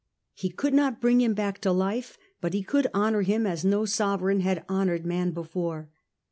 He could not bring him back to life, but he could honour him as no sovereign had honoured man before.